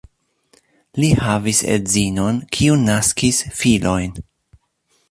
Li havis edzinon, kiu naskis filojn.